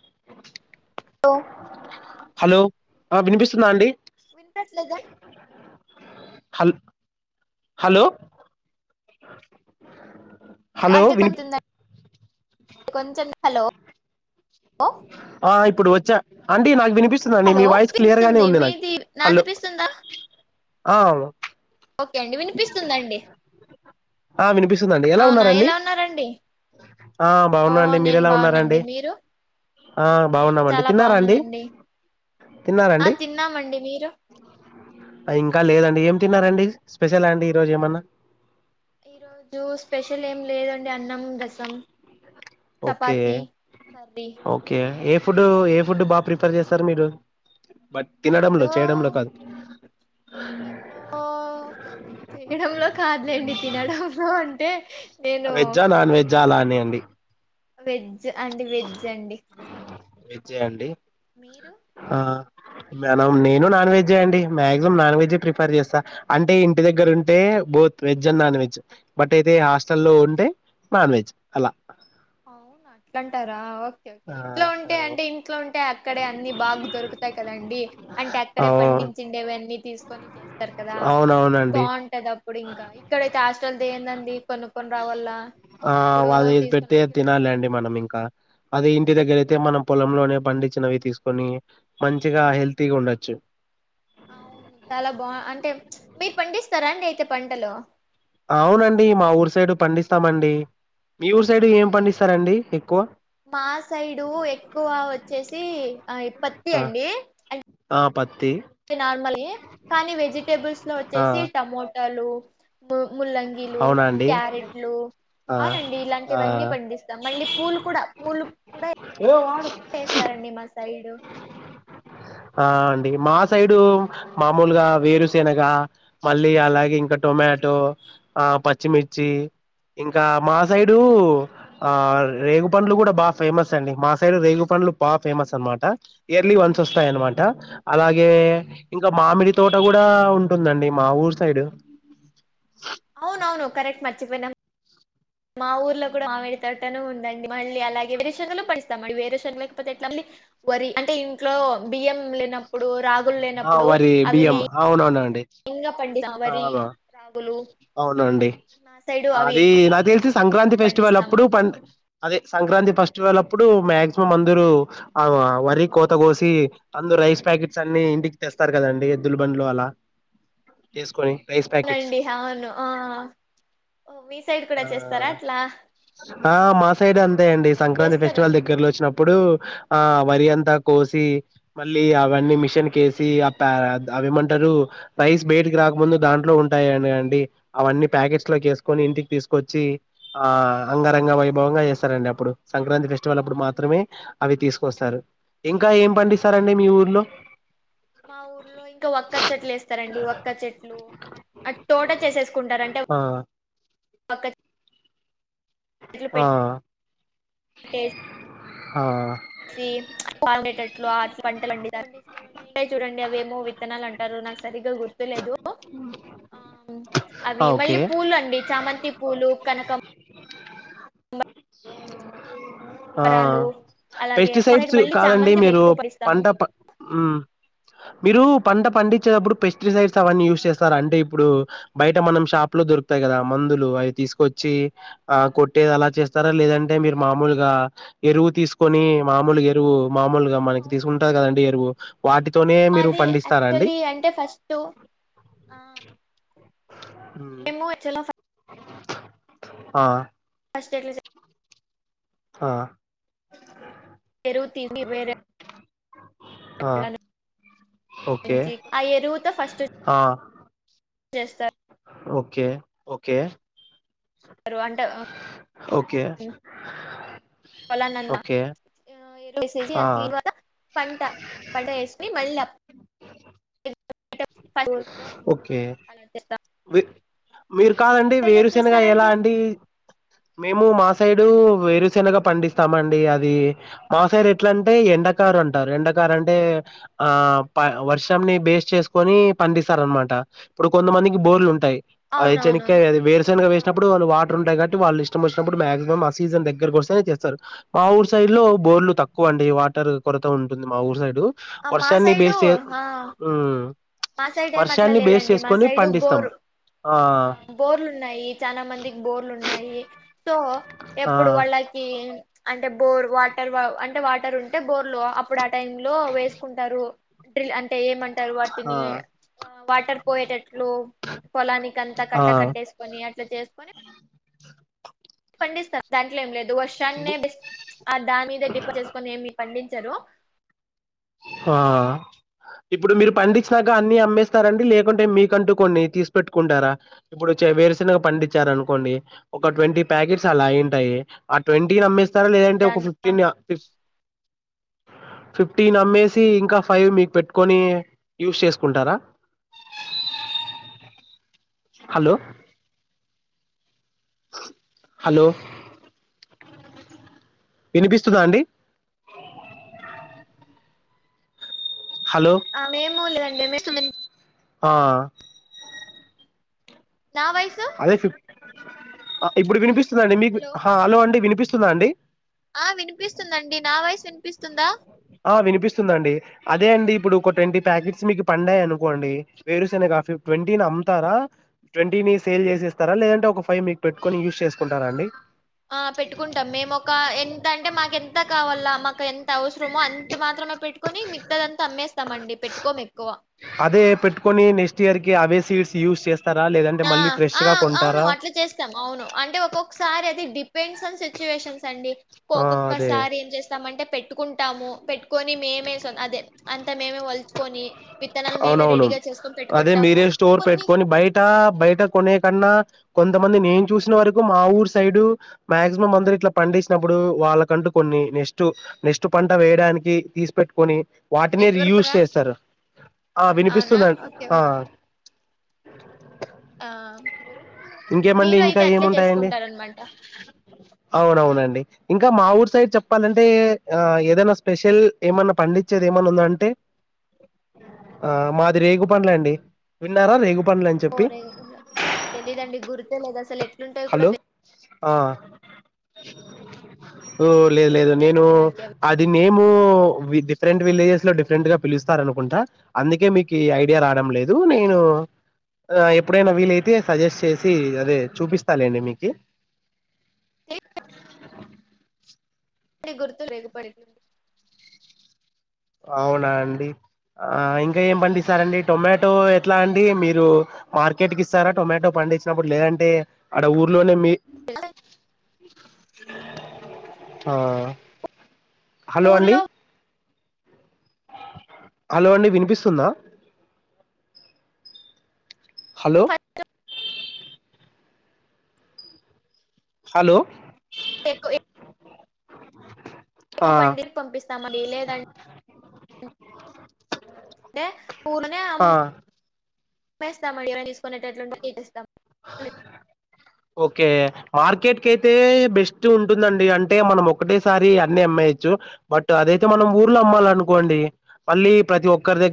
[inaudible] ఉ hello ఆ వినిపిస్తుందా అండి వినపట్లేదా హల్ హలో హలో అంటే విని కొంచం కొంచెం హలో ఆ ఇప్పుడు వొచ్చా అండి నాకు విని పిస్తుందండి హలో మీ వాయిస్ క్లియర్ గానే వినిపిస్తుంది ఉంది నా మీది నాది హలో వినిపిస్తుందా ఆ ఒకే అండి వినిపిస్తుందండి ఆ వినిపిస్తుందండి ఎలా అవునా ఉన్నారండి. ఉన్నారండి ఆ ఓ బావున్నా అండి నేను మీరెలా ఉన్నారండి. బాగునండి మీరు ఆ నేను బావున్నామండి చాలా తిన్నారా అండి బాగున్నానండి ఆ తిన్నామండి మీరు అ ఇంకా లేదండి ఏం తిన్నారండి స్పెషలా అండి ఈరోజు ఏమన్నా ఈ రోజు స్పెషల్ ఏం లేదండి అన్నం రసం ఓకే చపాతి కర్రీ ఓకే మీరు ఏ ఫుడ్ ఏ ఫుడ్ బా ప్రిఫర్ చేస్తారు మీరు తినడంలో ఏదో చేయడంలో కాదు తినడంలో చేయడంలో కాదులేండి తినడంలో అంటే నేను వెజ్జా నాన్ వెజ్జా అలా అంటే అనీ అండి వెజ్ అండి వెజ్ అండి వెజ్జే అండి మీరు మెనం నేను నాన్వెజ్జే అండి మాగ్జిమం నాన్ వెజే ప్రిఫర్ చేస్తా అంటే ఇంటి దగ్గర ఉంటే both veg and non veg but అయితే హాస్టల్లో ఉంటే నాన్ వెజ్ అలా అవునా అట్లంటారా ఓకే ఓకే ఆ ఇంట్లో ఉంటే అంటే ఇంట్లో ఉం టే అక్కడే అన్ని బాగు దొరుకుతాయి కదండి అంటే ఆ అక్కడే పండించేవన్నీ తీసుకొని చేస్తారు కదా అవునవునండి బావుంటది అప్పుడు ఇంకా ఇక్కడైతే హాస్టల్ది ఏందండి కొనుక్కొని రావల్లా ఆ వాళ్ళ ఏది పెడితే అద్ తినాలీ అండి మనం ఇంకా అదే ఇంటి దగ్గర అయితే మనం పొలంలోనే పండిచ్చినవి తీసుకొని మంచిగా ఉమ్, హెల్తీగుండొచ్చు అవును చాలా బా అంటే మీరు పండిస్తారా అండి అయితే పంటలు అవునండి మా ఊరు సైడు పండిస్తామండి. మీ ఊరు సైడ్ అవునా ఏం పండిస్తారండి ఎక్కువ మా సైడు ఎక్కువ వచ్చేసి ఆ ఇ పత్తి ఆ అండి అ ఆ పత్తి నార్మల్గే కానీ వెజిటేబుల్స్ లో ఆ వచ్చేసి టమోటలు ముల్లంగీలు అవునా అండి క్యారెట్లు ఆ అవునండి ఆ ఇలాంటివన్నీ పండిస్తాం మళ్ళీ పూలు కూడా పూలు కూడా చేస్తారండి మా సైడు ఆ అండి మా సైడు మామూలుగా వేరుశెనగా మళ్ళీ అలాగే ఇంకా టొమా టో ఆ పచ్చిమిర్చి ఇంకా మా సైడు ఆ రేగుపండ్లు గూడా బా ఫేమస్ అండి మా సైడు రేగుపం లు పా ఫేమస్ అనమాట ఇయర్లీ వన్స్ వొస్ స్తాయ్ అనమాట అలాగే ఇంకా మామిడి తోట గూడా ఉంటుందండి మా ఊరు సైడు అవునవును కరెక్ట్ మచ్చిపోయినం. మా ఊర్లో కూడా మామిడి తోటను ఉందండి మళ్ళీ అలాగే వేరూశేన్లు పండిస్తాం మళ వేరుషేన్ లేకపోతే ఎట్లా వరి అంటే ఇంట్లో బియ్యం లేనప్పుడు రాగులు ఆ లేనప్పుడు వరి అవి బియ్యం మెయి అవునవునండి యిన్గా పండిస్తాం ఆ వరి రాగులు అవునండి నాసైడు అవి అది ఎక్కు నాకు తెలిసి సంక్రాంతి ఫెస్టివల్ అప్పుడు పండ్ అదే సంక్రాంతి ఫస్టివల్ అప్పుడు మాగ్జిమం అందరూ ఆ వరి కోత కోసి అంద్ రైస్ ప్యాకెట్స్ అన్ని ఇంటి తెస్తారు కదండి ఎద్దులు బండ్లు అలా ఏస్కొని నండి హవును ఆ ఓ మీ సైడు కూడా చేస్తారా ఆ అట్లా ఆ మా సైడ్ అంతే ఆ అండి సంక్రాంతి ఫెస్టివల్ చేస్తారవును దగ్గలో వచ్చినప్పుడు ఆ వరి అంతా కోసి మళ్ళీ అవన్నీ మిషన్ కే సి ఆ అవేమంటారు రైస్ బేటికి రాకముందు దాంట్లో ఉంటాయ అండి అవన్నీ ప్యాకెట్స్ లోకి ఏస్కొని ఇంటికి తీసుకొచ్చి ఆ అంగరంగ వైభవంగా చేస్తారండి అప్పుడు సంక్రాంతి ఓ ఫెస్టివల్ అప్పుడు అవునా మాత్రమే అవి తీస్ కోస్తారు ఇంకా ఏం ఆ, పండిస్తారండి అవునండి మీ ఊర్లో మా ఊర్లో ఇంకా వక్క చెట్లు ఏస్తారండి వక్క చెట్లు ఆద్ తోట చేసేస్కుంటారంట ఆ అక్క ఆ పెట్ ఆ సి ప మెత్తట్లో ఆర్స్ అంటే లంజ్ [unintelligible] చూడండి అవేమో విత్తనాలు అంటారు నాకు సరిగ్గా గుర్తులేదు ఆ ఆ అవి ఓకే మళ్ళీ పూల్లు అండి చామంతి పూలు కనకమ్ బ్లాంక్ ఆ కనకంబరాలు అలాగే మా సైడ్ పెస్టిసైడ్స్ మళ్ళీ కాదండి చామంతిలు మీరు ఎక్కువ పండిస్తాము పంట ప హ్మ్ మీరు పంట పండి వచ్చేప్పుడు పెస్టిసైడ్స్ అవన్నీ యూస్ చేస్తార అంటే ఇప్పుడు బయట మనం షాపులో దొకుతాయి కదా మందులు అయ్ తి తీసుకొచ్చి ఆ కొట్టే అలా చేస్ ఆ స్తారా లేదంటే మీరు మామూలుగా ఎరువు తీసుకొని మామూలుగా ఎరువు మామూలుగా మనకి తీసుకుంటారు అవునండి కదండి ఎరువు వాటితోనే మీరు మాది పండిస్తారా అండి యాక్చువల్లీ అంటే ఫస్ట్ ఆ హ్మ్. మేము వచ్చేలా ఆ ఫస్ట్ ఎట్ల చే అ ఎరువు తిని వేరె ఆ! ఓకే. మంచి ఆ ఎరువుతో ఫస్ట్ ఆ! చేస్తారు ఓకే ఓకే రు అంట ఓకే. ఉ పలానంద ఓకే. ఇల వస్సేస్సి ఆ! అంత క్లీన్గ పంట పంట ఎస్కుని మళ్ళప్ప బ ఓకే. అంతే త మీరు కాదండి వేరుశనగా ఎలా చేస్తారండి అండి మేము మా సైడు వేరుసెనగా పండిస్తామండి అది మా సైడ్ ఎట్లా అంటే ఎండకారు అంటారు ఎండ అంటే ఆ వర్షంని బేస్ చేసుకొని పండిస్తారు అనమాట ఇప్పుడు కొంతమంది బోర్లు ఉంటాయి అ అవునవునవును చేనగకాయ వేరుశెనగ ఆ వేసినప్పుడు వాళ్ళు వాటర్ ఉంటాయి కాట్ వాళ్ళు ఇష్టం వచ్చినప్పుడు మాక్సిమం ఆ సీజన్ దగ్గరకు వస్తే చేస్తారు మా ఊరు సైడ్ లో బోర్లు తక్కువ అండి వ టర్ కొరత ఉంటుంది మా ఊరు సైడు ఆ, మా వర్షాన్ని సైడు బేస్ చెస్ ఆ ఊ మా సైడ్ ఏం అట్లా వర్షాన్ని బేస్ లేదండి మా చేసుకొని సైడు పండిస్ బోరు ఆ బోర్లు ఉన్నాయి చానా మందికి బోర్లు ఉన్నాయి సో ఆ ఎప్పుడు వాళ్ళకి అంటే బోర్ వాటర్ అంటే వాటర్ ఉంటే బోర్లు అప్పుడు ఆ టై లో వేసుకుంటారు డ్రిల్ అంటే ఏమంటర్ ఆ వాటిని వాటర్ పోయేటట్లు పొలానికి అంతా ఆ కట్టకట్టేసుకొని ఇట్లా చేసుకని పండిస్తర్ దాంట్లో ఏం లేద్ వర్షాన్నే బెస్ట్ ఆ దానిమీద డిపెండ్ చేసుకొని ఏమి పండించారు ఆ ఇప్పుడు మీరు పండించినాక అన్ని అమ్మేస్తారండి లేకుంటే మీకంటూ కొన్ని తీసి పెట్టుకుంటారా ఇప్పుడు వేరుశెనగ పండించారు అనుకోండి ఒక ట్వంటీ ప్యాకెట్స్ అలా అయింటాయి ఆ ట్వంటీని అమ్మేస్ తార లేదంటే ఒక దాంట్లో ఫిఫ్టీన్ ఫిఫ్ ఫిఫ్ టీన్ అమ్మేసి ఇంకా ఫైవ్ మీకు పెట్టుకొని యూస్ చేసుకుంటారా హలో హలో వినిపిస్తదండి ఆ మేము లేదండి వినిపిస్తుంది ఆ నా వయ్సు ఇబ్బుడు వినిపిస్తుందండి మీకు హలో అండి వినిపిస్తుందా అండి ఆ వినిపిస్తుందండి నా వాయిస్ వినిపిస్తుందా ఆ వినిపిస్తుందండి అదే అండి ఇప్పుడు ఒక ట్వంటీ ప్యాకెట్స్ మీకు పండాయ్ అనుకోండి వేరుశనగా ఫిఫ్ ట్వంటీని అమ్మ్తారా ట్వంటీని సేల్ జేసేస్తారా లేదంటే ఒక ఫైవ్ మీకు పెట్టుకొని యూస్ చేసుకుంటారా అండి ఆ పెట్టుకుంటాం మేము ఒక ఎంత అంటే మాకు ఎంత కావాల మాకు ఎంత అవసరమో అంత మాత్రం పెట్టుకొని మిగతా అంతా అమ్మేస్తమాండి పెట్టుకోము ఎక్కువ అదే పెట్టుకొని నెక్స్ట్ ఇయర్ కి అవే సీడ్స్ యూజ్ చేస్తారా లేదంటే ఆ! మళ్ళీ ఫ్రెష్ ఆ గా అవును కొంటారా అట్లా చేస్తాం అవును అంటే ఒక్కొక్కసారి అది డిపెండ్స్ ఆన్ సిచ్యువేషన్స్ అండి ఆ అదే ఒక్కక్కొక్కసారి ఏం చేస్తామ అంటే పెట్టుకుంటాము పెట్టుకొని మేమేం అదే అంతా మేమే వలుచుకోని అవునవును అదే మీరే స్టోర్ కొన్ని పెట్టుకొని బయట బయట కొనే కన్నా కొంతమంది నేను చూసిన వరకు మా ఊరు సైడు మాగ్జిమం అందరు ఇట్లా పండిచ్చినబ్బుడు వాళ్ళకంటూ కొన్ని నెస్ట్ నెస్ట్ పంట వేయడానికి తీసి పెట్టుకొని వాటినే రీ నెట్వర్క్ యుస్ రా చేస్తారు ఆ అవునా? వినిపిస్తుంద ఓకే. ఓకే. ఆ ఇంకేమండి మీరు ఇంకా అయితే అట్లే ఏముంటాయండి చేసుకుంటారనమాట. అవునవునండి ఇంకా మా ఊరు సైడ్ చెప్పాలంటే ఆ ఏదనా స్పెషల్ ఏమన్నా ప అండిచ్చేది ఎమన్నా ఉందా అంటే ఆ మాది రేగు పండ్లు అండి విన్నారా రేగు పండ్లు అని ఓ చెప్పి రేగిపండ్లు అయ్యో తెలీదండి గుర్తేలేదు అసలు ఎట్లుంటాయో కూడా హలో తె ఆ ఓ లేదు లేదు నేను తెలియదు నాకు అవి అది నేము డిఫరెంట్ విలేజెస్ లో డిఫరెంట్ గా పిలుస్తారనుకుంటా అందుకే మీకు ఈ ఐడియా రాడం లేదు నేను ఓ ఎప్పుడైనా వీలైతే సజెస్ట్ చేస్ సీ అదే చూపిస్తాలేండి మీకీ గుర్తు రేగుపడి ఎట్లుంటు అవునా అండి ఆ ఇంకా ఏం పండిస్తారండి టొమాటో ఎట్లా అండి మీరు మార్కెట్ కి ఇస్తారా టొమాటో ప పండిచ్చినపుడు లేదంటే ఆడా ఊర్లోనే మీ ఆ హలో అండి ఊర్లో హలో అండి వినిపిస్తుందా హలో హలో ఎక్కు ఎ ఎకు ఆ [unintelligible] పండి పంపిస్తామండి లేదండే ఊలనే అమ్ ఆ మేస్తామ ఎవర తీసుకునేట్టట్లుంటే ఏస్తాం ఒకే మార్కెట్ కి అయితే బెస్ట్ ఉంటుందండి అంటే మనం ఒకటేసారి అన్ని అమ్ యొచ్చు బట్ అదయితే మనం ఊర్లో అమ్మలానుకోండి మళ్ళి ప్రతి ఒక్కరి దగ్గ